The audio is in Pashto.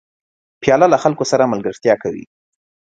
پیاله له خلکو سره ملګرتیا کوي.